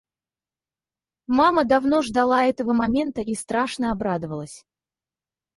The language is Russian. Мама давно ждала этого момента и страшно обрадовалась.